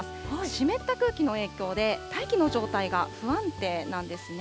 湿った空気の影響で、大気の状態が不安定なんですね。